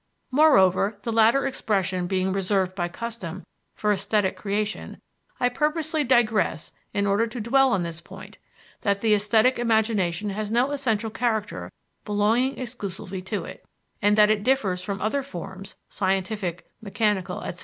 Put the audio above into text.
Moreover, the latter expression being reserved by custom for esthetic creation, I purposely digress in order to dwell on this point: that the esthetic imagination has no essential character belonging exclusively to it, and that it differs from other forms (scientific, mechanical, etc.)